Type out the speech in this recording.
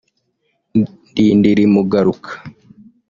Ndindiri Mugaruka